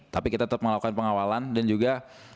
tapi kita tetap melakukan pengawalan dan juga